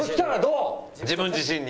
「自分自身に」。